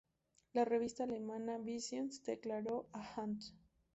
La revista alemana "Visions" declaró a "Hand.